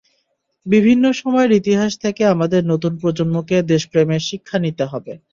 বিভিন্ন সময়ের ইতিহাস থেকে আমাদের নতুন প্রজন্মকে দেশপ্রেমের শিক্ষা নিতে হবে।